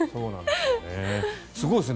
すごいですね。